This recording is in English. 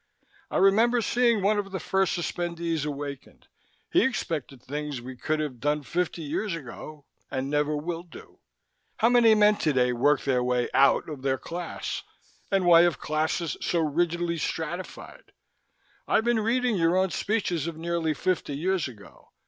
I remember seeing one of the first suspendees awakened. He expected things we could have done fifty years ago and never will do. How many men today work their way out of their class? And why have classes so rigidly stratified? I've been reading your own speeches of nearly fifty years ago.